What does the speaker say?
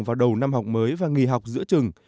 vào đầu năm học mới và nghỉ học giữa trường